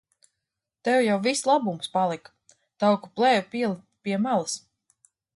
Tev jau viss labums palika. Tauku plēve pielipa pie malas.